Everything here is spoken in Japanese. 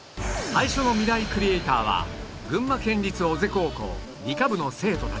最初のミライクリエイターは群馬県立尾瀬高校理科部の生徒たち